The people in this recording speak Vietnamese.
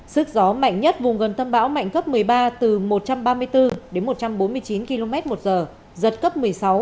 sức gió mạnh nhất vùng gần tâm bão mạnh cấp một mươi ba từ một trăm ba mươi bốn đến một trăm bốn mươi chín km một giờ giật cấp một mươi sáu